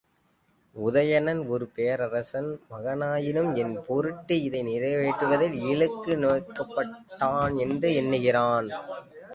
உதயணன் ஒரு பேரரசன் மகனாயினும், என் பொருட்டு இதை நிறைவேற்றுவதில் இழுக்கு நோக்கமாட்டான் என்று எண்ணுகிறேன்.